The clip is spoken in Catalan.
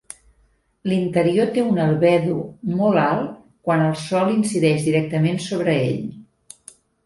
L'interior té una albedo molt alt quan el Sol incideix directament sobre ell.